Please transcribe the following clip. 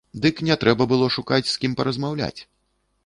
Дык не трэба было шукаць з кім паразмаўляць!